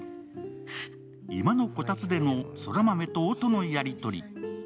居間のこたつでの空豆と音のやりとり。